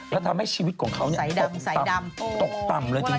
และทำให้ชีวิตของเขาตกต่ำเลยจริง